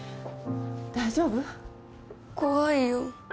大丈夫？怖いよ。